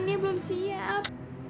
nia belum siap